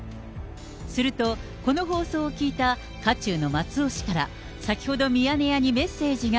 すると、この放送を聞いた渦中の松尾氏から、先ほど、ミヤネ屋にメッセージが。